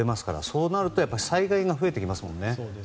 そうなると災害が増えてきますものね。